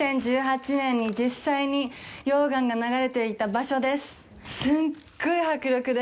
２０１８年に実際に溶岩が流れていた場所です。